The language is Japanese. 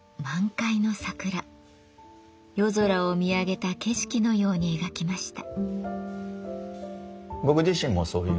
夜空を見上げた景色のように描きました。